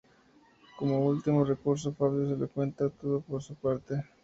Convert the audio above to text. Como último recurso Fabio se lo cuenta todo a su padre.